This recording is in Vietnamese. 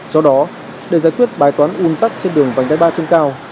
do đó để giải quyết bài toán ủn tắc trên đường vành đáy ba chân cao